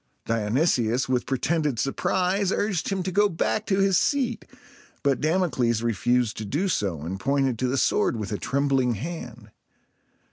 Dionysius with pretended surprise urged him to go back to his seat; but Damocles refused to do so, and pointed to the sword with a trembling hand.